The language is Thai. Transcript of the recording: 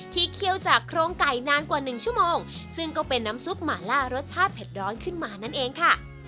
เคี่ยวจากโครงไก่นานกว่าหนึ่งชั่วโมงซึ่งก็เป็นน้ำซุปหมาล่ารสชาติเผ็ดร้อนขึ้นมานั่นเองค่ะ